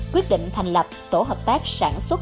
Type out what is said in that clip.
quyết định thành lập tổ hợp tác sản xuất